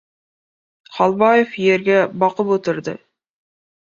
Xolboyev yerga boqib o‘tirdi.